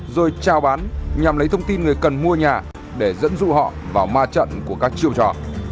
rồi trao bán nhằm lấy thông tin người cần mua nhà để dẫn dụ họ vào ma trận của các chiêu trò